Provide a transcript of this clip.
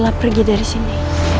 aku bisa pergi dari sini